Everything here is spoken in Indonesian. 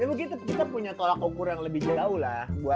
ya begitu kita punya tolak ukur yang lebih jauh lah